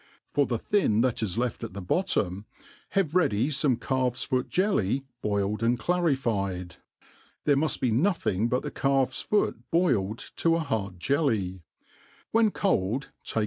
For the thin that is left at the bottom, have ready fome calfso foot jelly boiled and clarified, there, muft be nothing but the calf s foot boiled to a hard jelly : when cold, take.